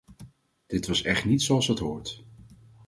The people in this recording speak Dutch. Dit was echt niet zoals het hoort.